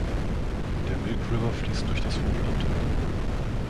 Der Milk River fließt durch das Hochland.